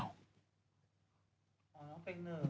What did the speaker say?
อ๋อแต่งหนึ่ง